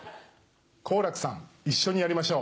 好楽さん一緒にやりましょう。